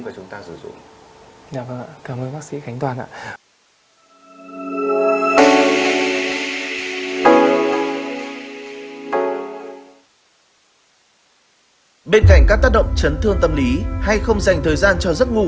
và chúng ta sử dụng